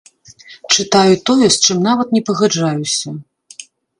Чытаю тое, з чым нават не пагаджаюся.